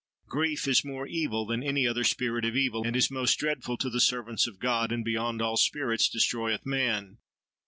Grief is more evil than any other spirit of evil, and is most dreadful to the servants of God, and beyond all spirits destroyeth man.